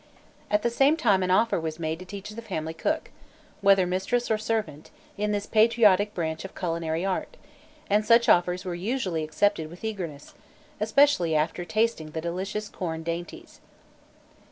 At the same time an offer was made to teach the family cook whether mistress or servant in this patriotic branch of culinary art, and such offers were usually accepted with eagerness, especially after tasting the delicious corn dainties.